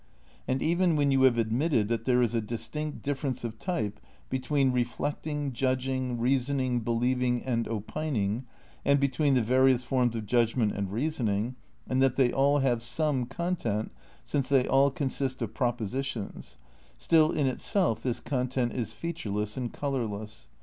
And even when you have admitted that there is a distinct difference of type between reflecting, judging, reasoning, believing and opining, and between the vari ous forms of judgment and reasoning, and that they all have some content since they all consist of proposi tions, still in itself this content is featureless and col ourless.